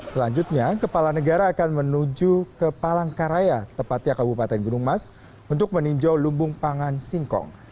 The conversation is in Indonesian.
selanjutnya kepala negara akan menuju ke palangkaraya tepatnya kabupaten gunung mas untuk meninjau lumbung pangan singkong